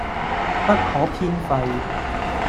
不可偏廢